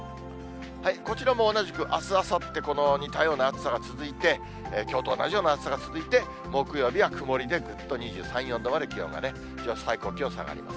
こちらも同じくあす、あさって、この似たような暑さが続いて、きょうと同じような暑さが続いて、木曜日は曇りでぐっと２３、４度まで気温がね、最高気温下がります。